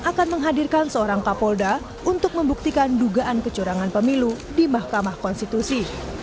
akan menghadirkan seorang kapolda untuk membuktikan dugaan kecurangan pemilu di mahkamah konstitusi